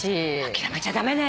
諦めちゃ駄目ね。